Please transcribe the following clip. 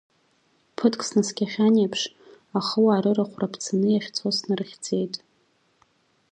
Ԥыҭк снаскьахьан еиԥш, ахыуаа рырахә раԥцаны иахьцоз снарыхьӡеит.